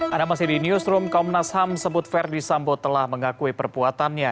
ada masih di newsroom kaum nasham sebut ferdis sambo telah mengakui perbuatannya